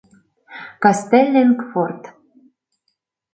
КАСТЕЛЛИНГ ФОРТ